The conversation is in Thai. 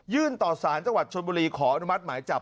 ต่อสารจังหวัดชนบุรีขออนุมัติหมายจับ